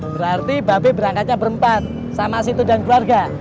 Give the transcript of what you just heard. berarti babe berangkatnya berempat sama situ dan keluarga